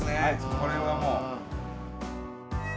これはもう。